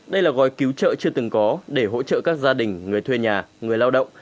đây là gói cứu trợ chưa từng có để hỗ trợ các gia đình người thuê nhà người lao động